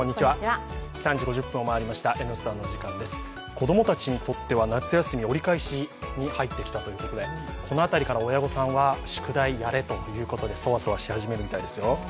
子供たちにとっては夏休み折り返しに入ってきたということでこの辺りから親御さんは宿題やれということでそわそわし始めるみたいですよ。